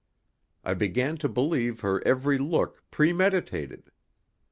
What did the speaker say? I began to believe her every look premeditated.